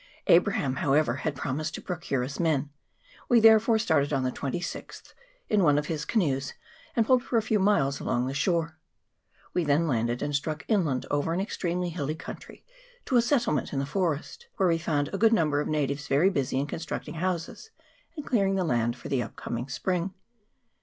Abraham, however, had promised to procure us men ; we therefore started on the 26th in one of his canoes, and pulled for a few miles along the shore. We then landed, and struck inland over an extremely hilly country, to a settlement in the forest, where we found a good number of natives very busy in constructing houses and clearing the land for the coming spring.